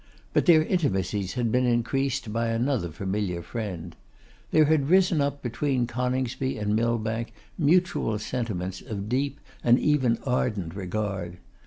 But their intimacies had been increased by another familiar friend. There had risen up between Coningsby and Millbank mutual sentiments of deep, and even ardent, regard.